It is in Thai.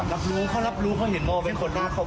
รับรู้เขารับรู้เขาเห็นโมเป็นคนหน้าเขา